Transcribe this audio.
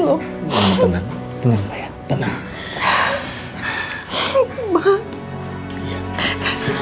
aku khawatir banget